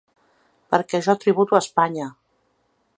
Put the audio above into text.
Perquè jo tributo a Espanya!